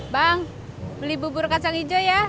bang beli bubur kacang hijau ya